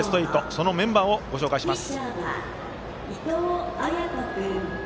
そのメンバーをご紹介します。